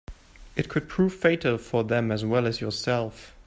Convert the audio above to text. It could prove fatal for them as well as yourself.